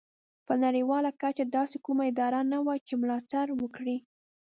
په نړیواله کچه داسې کومه اداره نه وه چې ملاتړ وکړي.